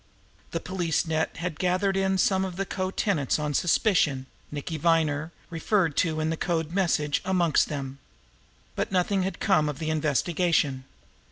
The police net had gathered in some of the co tenants on suspicion; Nicky Viner, referred to in the code message, amongst them. But nothing had come of the investigation.